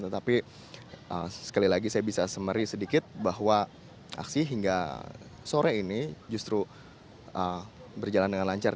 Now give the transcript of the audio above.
tetapi sekali lagi saya bisa summary sedikit bahwa aksi hingga sore ini justru berjalan dengan lancar